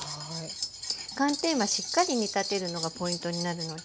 寒天はしっかり煮立てるのがポイントになるので。